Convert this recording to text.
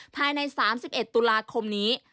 ภายใน๓๑ตุลาคมนี้